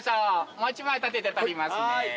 もう１枚縦で撮りますね。